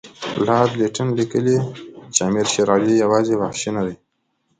لارډ لیټن لیکي چې امیر شېر علي یوازې وحشي نه دی.